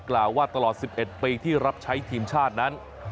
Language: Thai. กล่าวว่าตลอด๑๑ปีที่รับใช้ทีมชาตินั้น